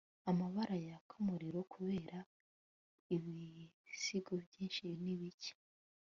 amabara yaka umuriro kubera ibisigo byinshi ni bike